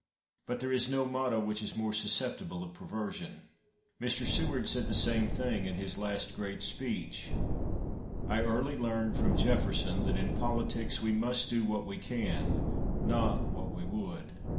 But there is no motto which is more susceptible of perversion. Mr. Seward said the same thing in his last great speech. "I early learned from Jefferson that in politics we must do what we can, not what we would."